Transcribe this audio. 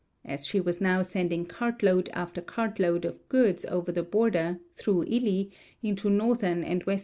As she was now sending cart load after cart load of goods over the border, through Hi, into northern and western VI 205 7%'.